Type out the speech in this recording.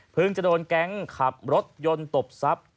จะโดนแก๊งขับรถยนต์ตบทรัพย์